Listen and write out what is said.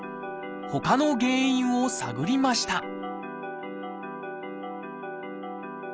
ほかの原因を探りました